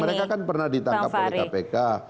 mereka kan pernah ditangkap oleh kpk